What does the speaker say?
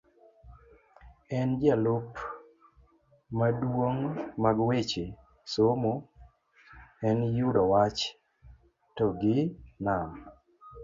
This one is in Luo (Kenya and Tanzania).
en jalup maduong' mag weche, somo en yudo wach to gi nam